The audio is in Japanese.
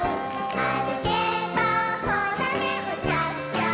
「あるけばほらねうたっちゃう」